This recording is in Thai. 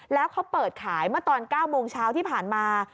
แล้วเขาเปิดขายเมื่อตอน๙โมงเช้าที่ผ่านมา